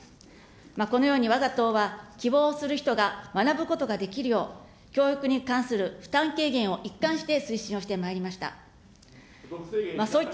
このようにわが党は、希望する人が学ぶことができるよう、教育に関する負担軽減を一貫して推進をしてまいりました。